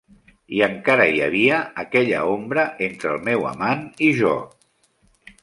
I encara hi havia aquella ombra entre el meu amant i jo.